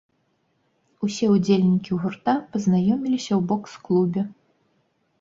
Усе ўдзельнікі гурта пазнаёміліся ў бокс-клубе.